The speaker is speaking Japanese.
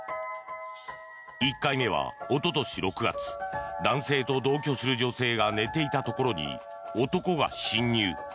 １回目はおととし６月男性と同居する女性が寝ていたところに男が侵入。